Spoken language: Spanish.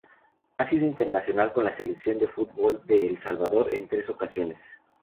Ha sido internacional con la Selección de fútbol de El Salvador en tres ocasiones.